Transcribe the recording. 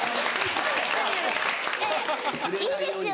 いいんですよ